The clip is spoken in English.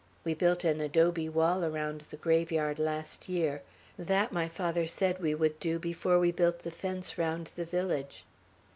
We built an adobe wall around the graveyard last year. That my father said we would do, before we built the fence round the village."